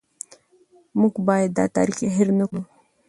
موږ باید دا تاریخ هېر نه کړو.